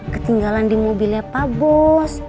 ketinggalan di mobilnya pak bos